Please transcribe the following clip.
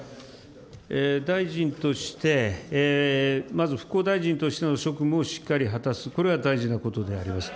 大臣として、まず復興大臣としての職務をしっかり果たす、これは大事なことであります。